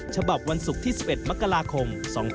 ฉบับวันศุกร์ที่๑๑มกราคม๒๕๖๒